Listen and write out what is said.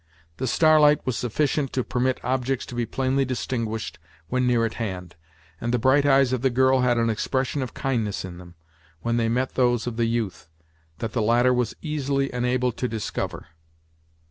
The starlight was sufficient to permit objects to be plainly distinguished when near at hand, and the bright eyes of the girl had an expression of kindness in them, when they met those of the youth, that the latter was easily enabled to discover.